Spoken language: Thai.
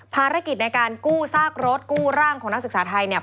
ภารกิจในการกู้ซากรถกู้ร่างของนักศึกษาไทยเนี่ย